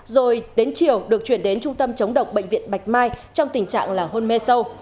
rồi đến chiều được chuyển đến trung tâm chống độc bệnh viện bạch mai trong tình trạng là hôn mê sâu